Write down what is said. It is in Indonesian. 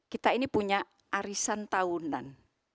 kita ini punya arisan tahunan